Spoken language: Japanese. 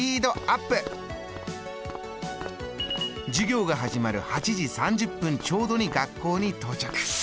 授業が始まる８時３０分ちょうどに学校に到着。